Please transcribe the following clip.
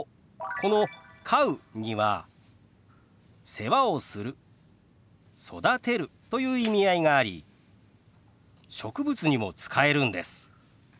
この「飼う」には「世話をする」「育てる」という意味合いがあり植物にも使えるんです。